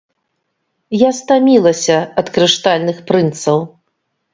Я стамілася ад крыштальных прынцаў.